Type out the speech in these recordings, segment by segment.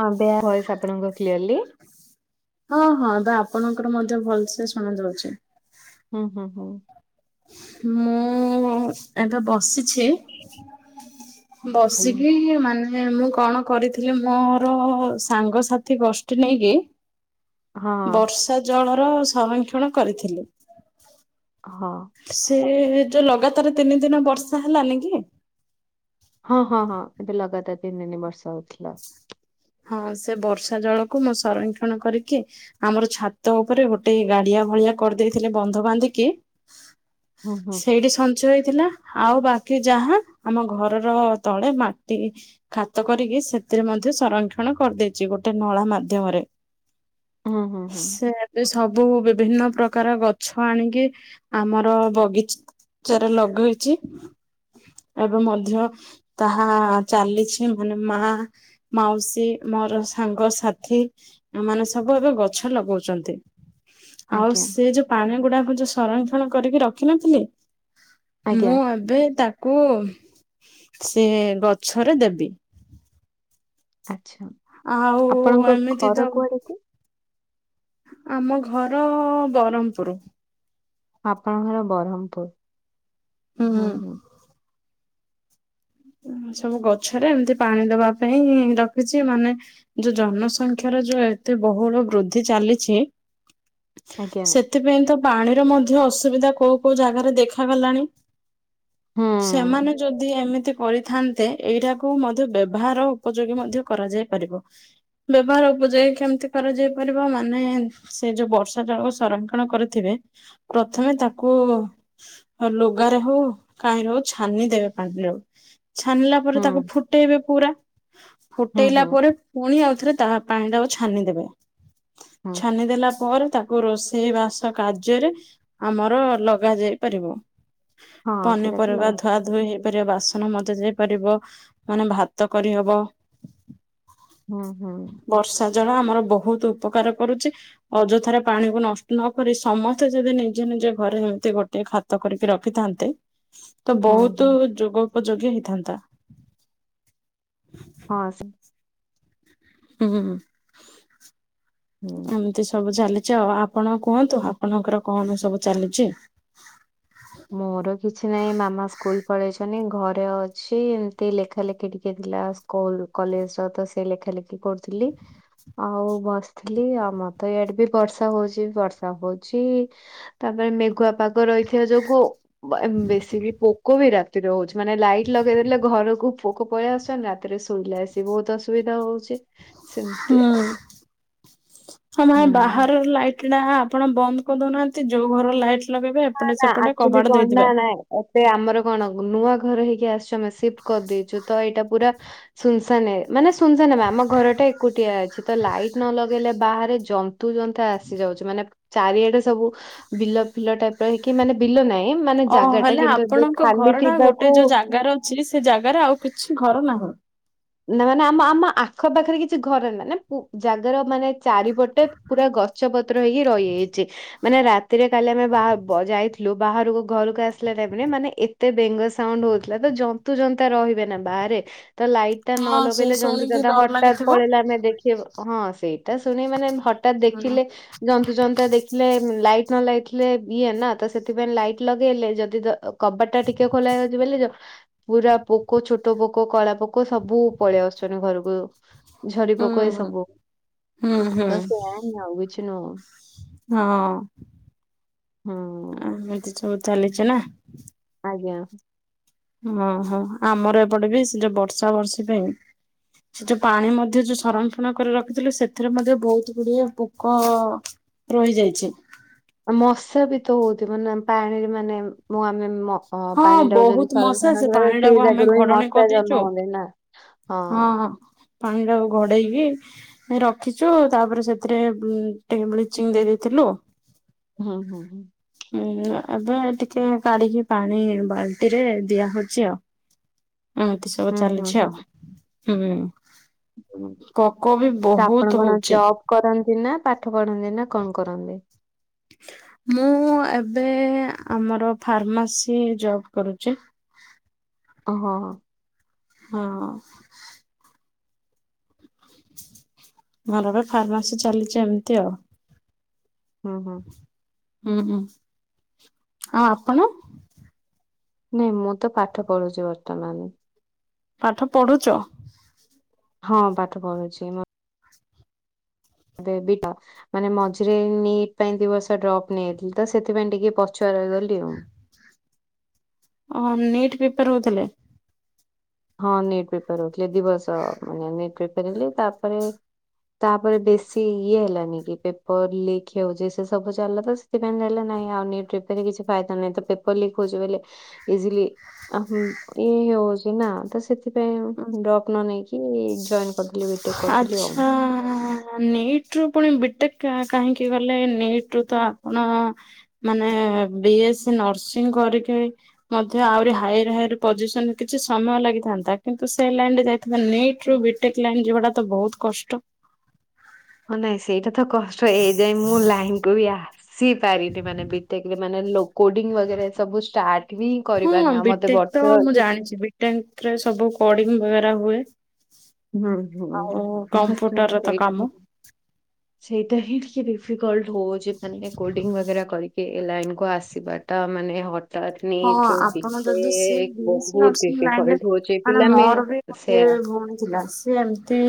ହଁ ବେୟା ହଏସ୍ ଆପଣଙ୍କ କ୍ଲିୟରଲି। ହଁ ହଁ ଏବେ ଆପଣଙ୍କର ମଧ୍ୟ ଭଲସେ ଶୁଣ ଯାଉଛି। ହୁଁ ହୁଁ ହୁଁ। ମୁଁ ଏବେ ବସିଛି। ଆଜ୍ଞା। ବସିକି ମାନେ ମୁଁ କଣ କରିଥିଲି ମୋର ସାଙ୍ଗସାଥି ଗୋଷ୍ଠି ନେଇକି ହଁ ବର୍ଷା ଜଳର ସଂରକ୍ଷଣ କରିଥିଲୁ। ହଁ। ସେ ଯୋଉ ଲଗାତାର ତିନି ଦିନ ବର୍ଷା ହେଲାନି କି। ହଁ ହଁ ହଁ। ଏବେୁ ଲଗାତାର ତିନି ତିନି ବର୍ଷା ହଉଥିଲା। ହଁ ସେ ବର୍ଷା ଜଳକୁ ମୁଁ ସଂରକ୍ଷଣ କରିକି ଆମର ଛାତ ଉପରେ ଗୋଟେ ଗାଡିଆ ଭଳିଆ କରିଦେଇଥିଲେ ବନ୍ଧ ବାନ୍ଧିକି। ହୁଁ ହୁଁ ସେଇଠି ସ ନ୍ଚି ହେଇଥିଲା ଆଉ ବାକି ଯାହା ଆମ ଘରର ତଳେ ମାଟି ଖାତ କରିକି ସେ ଥିରେ ମଧ୍ୟ ସଂରକ୍ଷଣ କରିଦେଇଛି ଗୋଟେ ନଳ ମାଧ୍ୟମରେ। ହୁଁ ହୁଁ ହୁଁ ସେ ଏ ସବୁ ବିଭିନ୍ନ ପ୍ରକାର ଗଛ ଆଣିକି ଆମର ବଗିଚା ଚାରେ ଲଗେଇଛି। ଏବେ ମଧ୍ୟ ତାହା ଚାଲିଛି ମାନେ ମା ମାଉସୀ ମୋର ସାଙ୍ଗସାଥି ଆ ମାନେ ସବୁ ଏବେ ଗଛ ଲଗଉଛନ୍ତି। ଆଉ ଆଜ୍ଞା ସେ ଯୋଉ ପାଣି ଗୁଡାକୁ ଯୋଉ ସଂରକ୍ଷଣ କରିକି ରଖିନଥିଲେ ଆଜ୍ଞା ମୁଁ ଏବେ ତାକୁ ସେ ଗଛରେ ଦେବି। ଆଛା ଆଉ ଆପଣଙ୍କ ଏମିତି ତ ଘର କୁଆଡ଼େ କି? ଆମ ଘର ବରମପୁରୁ ଆପଣଙ୍କର ବରହ୍ମପୁରୁ ହୁଁ ହୁଁ। ସବୁ ଗଛରେ ଏମତି ପାଣି ଦବା ପାଇଁ ରଖିଛି ମାନେ। ଯୋଉ ଜନସଂଖ୍ୟାର ଯୋଉ ଏତେ ବହୁଳ ବୃଦ୍ଧି ଚାଲିଛି। ଆଜ୍ଞା ସେଥିପାଇଁ ତ ପାଣିର ମଧ୍ୟ ଅସୁବିଧା କୋଉ କୋଉ ଜାଗାରେ ଦେଖାଗଲାଣି। ହୁଁ ସେମାନେ ଯଦି ଏମିତି କରିଥାନ୍ତେ ଏଇଟାକୁ ମଧ୍ୟ ବ୍ୟବହାର ଉପଯୋଗୀ ମଧ୍ୟ କରାଯାଇ ପାରିବ। ବ୍ୟବହାର ଉପଯୋଗ କେମିତି କରାଯାଇ ପାରିବ ମାନେ ସେ ଯୋଉ ବର୍ଷା ଜଳକୁ ସଂରକ୍ଷଣ କରିଥିବେ ପ୍ରଥମେ ତାକୁ ଆଉ ଲୁଗାରେ ହଉ କାହିଁରେ ହଉ ଛାନି ଦେବେ ପାଣିରାକୁ ଛାନିଲା ପରେ ହୁଁ ତାକୁ ଫୁଟେଇବେ ପୁରା ହୁଁ ଫୁଟେଇଲା ହୁଁ। ପରେ ପୁଣି ଆଉଥରେ ତା ପାଣି ଟାକୁ ଛାନିଦେବେ ହୁଁ ଛାନିଦେଲା ପରେ ତାକୁ କୁ ରୋଷେଇ ବାସ କାର୍ଯ୍ୟରେ ଆମର ଲଗା ଯାଇ ପାରିବ। ହଁ ସେଇଟା ତ ପନିପରିବା ଲଗାତାର ଧୁଆ ଧୁଇ ହେଇ ବାସନ ମଜା ଯାଇପାରିବ ମାନେ ଭାତ କରିହବ। ହୁଁ ହୁଁ। ବର୍ଷା ଜଳ ଆମର ବହୁତ ଉପକାର କରୁଛି। ଅଯଥାରେ ପାଣିକୁ ନଷ୍ଟ ନ କରି ସମସ୍ତେ ଯଦି ନିଜେ ନିଜେ ଘରେ ଏମିତି ଗୋଟେ ଖା- କରିକି ରଖିଥାନ୍ତେ ତ ହୁଁ ହୁଁ ବହୁତ ଯୋଗ ଉପଯୋଗୀ ହେଇଥାନ୍ତା। ହଁ ସେ ହୁଁ ହୁଁ ହୁଁ। ଆମ ଏତି ସବୁ ଚାଲିଛି ଆଉ ଆପଣ କୁହନ୍ତୁ ଆପଣଙ୍କର କଣ ସବୁ ଚାଲିଛି? ମୋର କିଛି ନାହିଁ ମାମା ସ୍କୁଲ ପଳେଇଛନ୍ତି ଘରେ ଅଛି ଏମତି ଲେଖା ଲେଖି ଟିକେ ଥିଲା। କଲେଜ ର ତ ସେ ଲେଖା ଲେଖି କରୁଥିଲି। ଆଉ ବସିଥିଲି ଆଉ ମତେ ଇଆଡେ ବି ବର୍ଷା ହଉଛି ବର୍ଷା ହଉଛି ତାପରେ ମେଘୁଆ ପାଗ ରହିଥିବା ଯୋଗୁ ବେଶୀ ପୋକ ବି ରା ସ୍ଥି ହଉଛି ମାନେ ଲାଇଟ ଲଗେଇଦେଲେ ଘରକୁ ପୋକ ପଳେଇଆ ଆସୁି ରାତିରେ ଶୋଇଲେ ଆସି ବହୁତ ଅସୁବିଧା ହଉଛି। ସେମିତି ହୁଁ। ଆଉ। ହଁ ମାଇ ହୁଁ। ବାହାର ଲାଇଟ ଟା ଆପଣ ବନ୍ଦ କରିଦଉନାହାନ୍ତି ଯୋଉ ଘର ଲାଇଟ୍ ଲଗେଇବେ ଏପଟେ ସେପଟେ କବାଡ଼ ଦେଇଦେବେ। ଏତେ ଆମର କଣ ନୂଆ ଘର ହେଇକି ଆସିଛୁ ଆମେ ସିଫ୍ଟ କରିଦେଇଛୁ ତ ଏଇଟା ପୁରା ଶୁନସ ନେ ମାନେ ଶୁନସ ନ ବା ଆମ ଘରଟା ଏକୁଟିଆ ଅଛି ତ ଲାଇଟ ନ ଲଗେଇଲେ ବାହାରେ ଜ ତୁ ଜତା ଆସି ଯାଉଛୁ ମାନେ ଚାରିଆଡେ ସବୁ ବିଲ ଫିଲ ଟାଇପ ର ହେଇକି ମାନେ ବିଲ ନାହିଁ ମାନେ ଓ ଜାଗାଟା ହେଲେ କିନ୍ତୁ ଏବେ ଆପଣଙ୍କ ଖାଲି ଘର ଟା ଗୋଟେ ଥିବାକୁ ଯୋଉ ଜାଗାର ଅଛି ସେ ଜାଗାରେ ଆଉ କିଛି ଘର ନାହିଁ। ନା ମାନେ ଆମ ଆମ ଆଖ ପାାଖରେ କିଛି ଘରେ ମାନେ ଜାଗାର ମାନେ ଚାରିପଟେ ପୁରା ଗଛ ପତ୍ର ହେଇକି ରହିଯାଇଛି। ମାନେ ରାତିରେ କାଲି ଆମେ ବା- ଯାଇଥିଲୁ ବାହାରକୁ ଘରକୁ ଆସିଲା ଟାଇ ମାନେ ଏତେ ବେଙ୍ଗ ସାଉଣ୍ଡ ହଉଥିଲା ତ ଜନ୍ତୁ ଜତା ରହିବେ ନା ବାହାରେ ତ ଲାଇଟ୍ ନ ହଁ ସେ ଲଗେଇଲେ ଜନ୍ତୁ ଶୁଣିକି ଜଟା ଡର ହଠାାତ ଲାଗିଥିବ। ପଳେଇଲେ ଆମେ ଦେଖେଇ ହଁ ସେଇଟା ଶୁଣି ମାନେ ହଠାତ ହୁଁ ଦେଖିଲେ ଜନ୍ତୁ ଜନ୍ତୁ ଦେଖିଲେ ଲାଇଟ ନ ଲାଇଥିଲେ ଇଏ ନା ତ ସେଥିପାଇଁ ଲାଇଟ ଲଗେଇଲେ ଯଦି କବାଟ ଟା ଟିକେ ଖୋଲା ହେଇଛି ବୋଲି ପୁରା ପୋକ ଛୋଟ ପୋକ କଳା ପୋକ ସବୁ ପଳେଇଆ ଆସୁଛନ୍ତି ଘରକୁ ଝଡି ହୁଁ ପକ ଏ ସବୁ ହୁଁ ହୁଁ ତ ସେଆ ଆଉ କିଛି ନୁଅ। ହଁ। ହଁ। ଏମତି ସବୁ ଚାଲିଛି ନା? ଆଜ୍ଞା। ଓହୋ ଆମର ଏପଟେ ବି ସେ ଯୋଉ ବର୍ଷା ବର୍ଷୀ ପାଇଁ ସେ ଯୋଉ ପାଣି ମଧ୍ୟ ଯୋଉ ସଂରଫଣ କରି ରଖିଥିଲୁ ସେଥିରେ ମଧ୍ୟ ବହୁତ ଗୁଡିଏ ପୋକ ରହିଯାଇଛି। ମଶା ବି ତ ହଉଛି ମାନେ ପାଣିରେ ମାନେ ମୁଁ ଆମେ ହଁ ପାଣି ଟାକୁ ଯଦି ବହୁତ ମଶା ସରସ ସେ ନଥ ପାଣି ଟାକୁ ସେଇ ଆମେ ଜାଗାରୁ ହିଁ ଘଡଣୀ ମଶା କରିଦେଇଛୁ ଜନ୍ମ ହୁଏ ନା। ହଁ ପାଣି ଟାକୁ ଘଡେଇକି ରଖିଛୁ ତାପରେ ସେଥିରେ ଟିକେ ବ୍ଲିଚିଂ ଦେଇ ଦେଇେଇଥିଲୁ। ହୁଁ ହୁଁ ହୁଁ। ହୁଁ ଏବେ ଟିକ କଡିକି ପାଣି ବାଲ୍ଟି ରେ ଦିଆ ହଉଛି ଆଉ ଏମୀତି ସବୁ ହୁଁ ହୁଁ। ଚାଲିଛି ଆଉ। ହୁଁ ହୁଁ। କକ ବି ତ ଆପଣ ବହୁତ କଣ ହଉଛେ। ଜବ୍ କରନ୍ତି ନା ପାଠ ପଢନ୍ତି ନା କଣ କରନ୍ତି? [inaudible] ମୁଁ ଏବେ ଆମର ଫାର୍ମାସି ଜବ୍ କରୁଛି। ଓହୋ। ହଁ। ଘର ଏବେ ଫାର୍ମାସି ଚାଲିଛି ଏମିତି ଆଉ। ଓ ହୋ। ଉଁ ହୁଁ ଆଉ ଆପଣ? ନାଇଁ ମୁଁ ତ ପାଠ ପଢୁଛି ବର୍ତ୍ତମାନ। ପାଠ ପଢୁଚ? ହଁ ପାଠ ପଢୁଛି ମୁଁ [unintelligible] ମାନେ ମଝିରେ ନିଟ୍ ପାଇଁ ଦି ବର୍ଷ ଡ୍ରପ୍ ନେଇଥିଲି ତ ସେଥିପାଇଁ ଟିକେ ପଛୁଆ ରହିଗଲି ଆଉ। ଓ ନିଟ୍ ପେପ ହଉଥିଲେ। ହଁ ନେଟ୍ ପ୍ରେପାର ହଉଥିଲେ ଦିବସ ମାନେ ନଟପେପର ହେଲେ ତାପରେ ତାପରେ ବେଶୀ ଇଏ ହେଲାନି କି ପେପର ଲିକ୍ ହଉଛି ସେ ସବୁ ଚାଲିଲା ତ ନେଲ ନାଁ ଆଉ କିଛି ଫାଇଦା ନାଁ ତ ପେପର ଲିକ ହଉଛି ବୋଲି ଇଜିଲି ଆ ଏଇ ହେଉଛି ନା? ତ ସେଥିପାଇଁ ଡପ୍ ନ ନେଇକି ଜଏନ ଆଚ୍ଛା ନିଟ୍? ନିଟ ରୁ ପୁଣି ବିଟେକା କାହିଁକି ଗଲେ ନିଟ ରୁ ତ ଆପଣ ମାନେ ବି ଏସ୍ ସ ନର୍ସିଂ କରିକି ମଧ୍ୟ ଆହୁରି ହାଇର ହାଇର ପଜିସନ କିଛି ସମୟ ଲାଗିଥାନ୍ତା କିନ୍ତୁ ସେ ଲାଇନରେ ଯାଇ ନିଟ ରୁ ବିଟେକ ଲାଇନ ଯଉଟା ତ ବହୁତ କଷ୍ଟ। ହଁ ନାଇଁ ସେଇଟା ତ କଷ୍ଟ ଏଇଯାଇଏ ମୁଁ ଲାଇନକୁୁ ବି ଆ ସି ପାରିନି ମାନେ ଭଟେକରେ ମାନେ କୋଡି ସବୁ ଷ୍ଟାର୍ଟ ହିଁ କରିପାରନି ଆ ମତେ ବର୍ଷ ଅଛି। ଟେନଥ ରେ ସବୁ କୋଡିଙ୍ଗ ବଗରା ହୁଏ। ହୁଁ ହୁଁ ଆଉ କମ୍ପ୍ୟୁଟର ର ତ କାମ ସେଇ ସେଇଟା ହିଁ ଟିକେ ଡିଫିକଲଟ ହଉ ଯେ ମ କୋଡିଙ୍ଗ କରି ଲାଇନକୁ ଆସିବାଟା ମାନେ ହ ହଁ ଆପଣ ବିେ ଯଦି ସେ ବିଏସି ବହୁତ ଡିଫିକଲ୍ଟ ହଉଛି ପିଲାମେ ମେ ସେୟା ଭଉଣୀ ଥିଲା ସି ଏମତି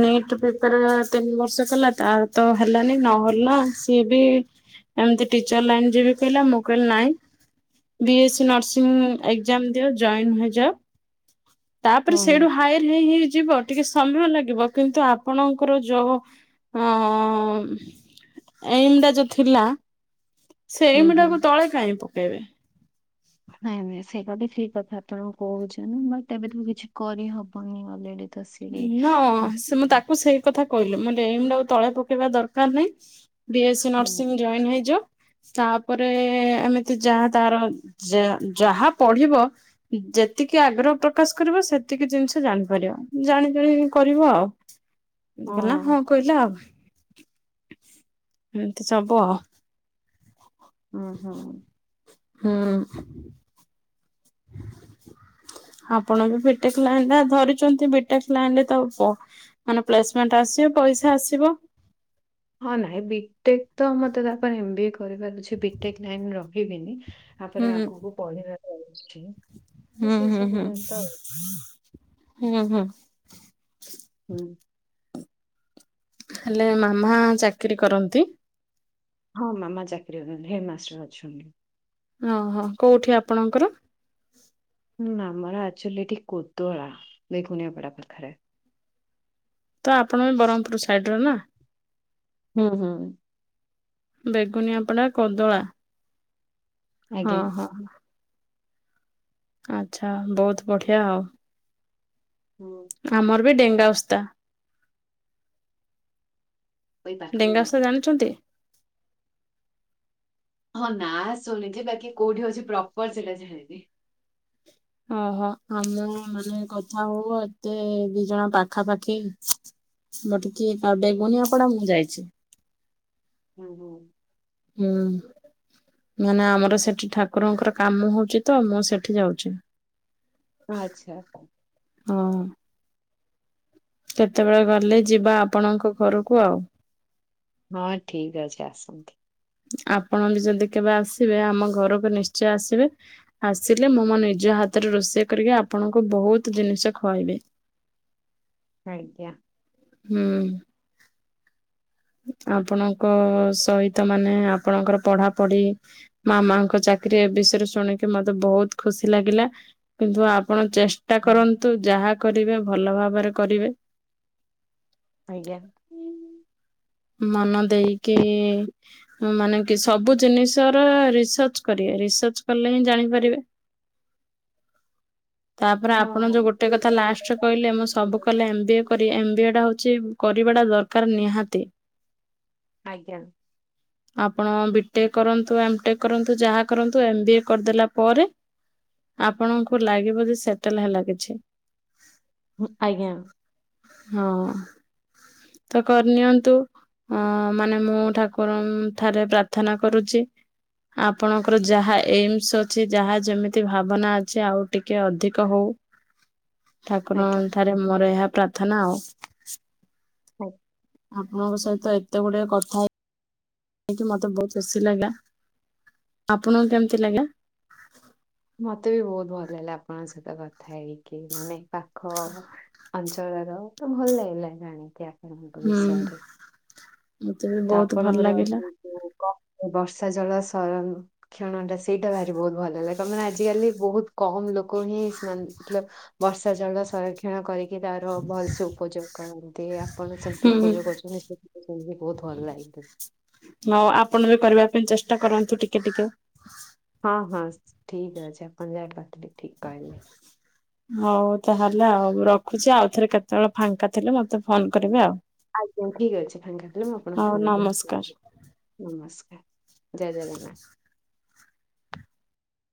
ନିଟ୍ ତିନି ବର୍ଷ କଲା ତ ତ ହେଲାନି ନହେଲା ସିଏ ବି ଏମିତି ଟିଚର ଲାଇନ ଯିବି କହିଲା ମୁଁ କହିଲି ନାଇ B S C nursing exam ଦିଅ ଜଏନ୍ ହେଯାଅ ତାପରେ ହୁଁ ହୁଁ ସେଠୁ ହାୟର ହେଇ ହେଇ ଯିବ ଟିକେ ସମୟ ଲାଗିବ କିନ୍ତୁ ଆପଣଙ୍କର ଯୋଉ ଅ ଏଇମଟା ଯୋଉ ଥିଲା ସେ ହୁଁ ଏମ୍ ହୁଁ। ଟାକୁ ତଳେ କାଇଁବୁ ହଁ [inaudible] ନାଇଁ ନାଇଁ ସେଇଟା ତ ଠିକ କଥା ଆପଣ କହୁଛ ବଟ ଏବେ ତ କିଛି କରିହବନି ଅଲରେଡି ତ ସିଏ ନା ହଁ ସେ ମୁଁ ତାକୁ ସେଇ କଥା କହିଲି ମେ ଏମ ଆଉ ତଳେ ପକେଇବା ଦରକାର ନାହିଁ ବି ଏସ୍ ସ ହୁଁ ନର୍ସିଂ ଜଏନ୍ ହେଇଯ ତାପରେ ଏମିତି ଯାହା ତାର ଯାହା ପଢିବ ଯେତିକି ଆଗ୍ରହ ପ୍ରକାଶ କର ସେତିକି ଜିନିଷ ଜାଣିପାରିବା ଜାଣି ଜାଣି କରିବ ଆଉ କହିଲ ହଁ କହିଲା ଆଉ ଏମତି ସବୁ ଆଉ ଉଁ ହୁଁ। ହୁଁ। ଆପଣ ବି ଭିଟେକ୍ ଲାଇନ ଧରିଛନ୍ତି ବିଟେକ୍ ଲାଇନ୍ ତ କୁହ ମାନେ ପ୍ଲେସମେଣ୍ଟ ଆସିବ ପଇସା ଆସିବ ହଁ ନାଇଁ ବିଟେକ୍ ତ ମତେ ତାପରେ ଏମ ବି ଏ କରିପାରୁଛି ବିଟେକ୍ ଲାଇନ ରହିବିନି। ହୁଁ ତାପରେ ଆଗକୁ ପଢିବା ଯାଉଛି ହୁଁ ହୁଁ ହୁଁ ହୁଁ ହୁଁ। ହୁଁ। ହେଲେ ମାମା ଚାକିରୀ କରନ୍ତି। ହଁ ମାମା ଚାକିରି ହେଡ ମାଷ୍ଟର ଅଛନ୍ତି। ଓହୋ କୋଉଠି ଆପଣଙ୍କର ନା ଆମର ଆଚୁଆଲି ଏଠି କୋଦଳା ବେଗୁନଆପଡା ପାଖରେ ତ ଆପଣ ବି ବ୍ରହ୍ମପୁର ସାଇଟିର ନା? ହୁଁ ହୁଁ। ବେଗୁନିଆପଡ଼ା କଦଳା ହଁ ଆଜ୍ଞା। ହଁ। ଆଛା ବହୁତ ବଢିଆ ଆଉ। ହୁଁ। ଆମର ବି ଡେଙ୍ଗା ଅଓସ୍ତା ଏଇ ପାଖରେ ହିଁ। ଡେଙ୍ଗାଓସ୍ତାଦା ଜାଣିଛନ୍ତି? ହଁ ନା ଶୁଣିଛି ବାକି କୋଉଠି ଅଉଛି ପ୍ରପର ସେଇଟା ଯାଣିନି। ଓହୋ ଆମେ ମାନେ କଥା ହଉ ଏତେ ଦି ଜଣ ପାଖା ପାାଖି ମୁଁ ଟିକିଏ ବଡେ ଗୁନିଆପଡା ମୁଁ ଯାଇଛି। ହୁଁ ହୁଁ। ହୁଁ। ମାନେ ଆମର ସେଠି ଠାକୁରଙ୍କର କାମ ହଉଛି ତ ମୁଁ ସେଠି ଯାଉଛି ଆଚ୍ଛା। ହଁ। କେତେବେଳେ ଗଲେ ଯିବା ଆପଣଙ୍କ ଘରକୁ ଆଉ। ହଁ ଠିକ ଅଛି ଆସନ୍ତୁ। ଆପଣ ବି ଯଦି କେବେ ଆସିବେ ଆମ ଘରକୁ ନିଶ୍ଚୟ ଆସିବେ ଆସିଲେ ମୁଁ ମୋ ନିଜ ହାତରେ ରୋଷେଇ କରିକି ଆପଣଙ୍କୁ ବହୁତ ଜିନିଷ ଖୁଆଇବି। ଆଜ୍ଞା। ହୁଁ। ଆପଣଙ୍କ ସହିତ ମାନେ ଆପଣଙ୍କର ପଢାପଢି ମାମାଙ୍କ ଚାକିରିୀ ବିଷୟରେ ଶୁଣିକି ମତେ ବହୁତ ଖୁସି ଲାଗିଲା। କିନ୍ତୁ ଆପଣ ଚେଷ୍ଟା ହୁଁ କରନ୍ତୁ ଯାହା କରିବେ ଭଲ ଭାବରେ କରିବେ ଆଜ୍ଞା। ମନ ଦେଇକି ହୁଁ ମାନେ କି ସବୁ ଜିନିଷ ର ରିସର୍ଚ୍ଚ କରିବେ ରିସର୍ଚ୍ଚ କଲେ ହିଁ ଜାଣିପାରିବେ ତାପରେ ହଁ ଆପଣ ହଉ। ଯୋଉ ଗୋଟେ କଥା ଲାଷ୍ଟରେ କହିଲେ ମୁଁ ସବୁ କଲେ ଏମ୍ ବିଏ କରି ଏମ୍ ବିଏ ଟା ହଉଚି କରିବାଟା ଦରକାର ନିହାତି। ଆଜ୍ଞା। ଆପଣ ବିଟେକ୍ କରନ୍ତୁ ଏମ୍ ଟେକ୍ କରନ୍ତୁ ଯାହା କରନ୍ତୁ ଏମ୍ ବିଏ କରିଦେଲା ପରେ ଆପଣଙ୍କୁ ଲାଗିବ ଯେ ସେଟେଲ୍ ହେଲା କିଛି। ଆଜ୍ଞା। ହଁ ତ କରିନିଅନ୍ତୁ ଅ ମାନେ ମୁଁ ଠାକୁରଙ୍କ ଠାରେ ପ୍ରାର୍ଥନା କରୁଚି ଆପଣଙ୍କର ଯାହା ଏମ୍ସ୍ ଅଛି ଯାହା ଯେମିତି ଭାବନା ଅଛି ଆଉ ଟିକେ ଅଧିକ ହଉ। ଆଜ୍ଞା। ଠାକୁରଙ୍କ ଠାରେ ମୋର ଏହା ପ୍ରାର୍ଥନା ଆଉ। ହଉଁ। ମୋ ସହିତ ଏତେ ଗୁଡେ କଥା ହେଇ କି ମତେ ବହୁତ ଖୁସି ଲାଗିଲ। ଆପଣଙ୍କୁ କେମତି ଲାଗିଲା? ମତେ ବି ବହୁତ ଭଲ ଲାଗିଲା ଆପଣଙ୍କ ସହିତ କଥା ହେଇକି ମାନେ ପାଖ ଅଞ୍ଚଳର ତ ଭଲ ଲାଗିଲା ଜାଣିିକି ଆପଣଙ୍କ ହୁଁ ବିଷୟରେ। ମତେ ବି ତ ବହୁତ ଭଲ ଆପଣଙ୍କର ଲାଗିଲା। ଙ୍କ ନବର୍ଷା ଜଳ ସଂରକ୍ଷଣ ଟା ସେଇଟା ଭାରି ବହୁତ ଭଲ ଲାଗେ। ମାନେ ଆଜିକାଲି ବହୁତ କମ୍ ଲୋକ ହିଁ ମ [unintelligible] ବର୍ଷା ଜଳ ସଂରକ୍ଷଣ କରିକି କିଏ ତାର ଭଲସେ ଉପଯୋଗ କରନ୍ତି ଆପଣ ସେମିତି ହୁଁ। ଉପଯୋଗ କରଚନ୍ତି ସେ ଭଲ ଲାଗିବ। ହଁ ଆପଣ ବି କରିବା ପାଇଁ ଚେଷ୍ଟା କରନ୍ତୁ ଟିକେ ଟିକେ। ହଁ-ହଁ ଠିକ୍ ଅଛି ଆପଣ ଯାହା କହିଥିଲେ ଠିକ୍ କହିଲେ। [inaudible] ହଉ ତାହେଲେ ଆଉ ରଖୁଚି ଆଉ ଥରେ କେତେବେଳେ ଫାଙ୍କା ଥିଲେ ମତେ ଫୋନ କରିବେ ଆଉ। ଆଜ୍ଞା ଠିକ ଅଛି ଫାଙ୍କାଥିଲେ ମୁଁ ଆପଣଙ୍କୁ ହଉ ଫୋନ କରିବି। ନମସ୍କାର। ନମସ୍କାର ଜୟ ଜଗନ୍ନାଥ।